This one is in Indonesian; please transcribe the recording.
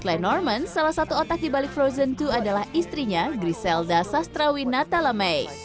selain norman salah satu otak di balik frozen dua adalah istrinya griselda sastrawi natalamei